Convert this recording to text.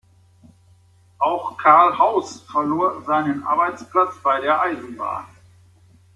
Auch Karl Hauss verlor seinen Arbeitsplatz bei der Eisenbahn.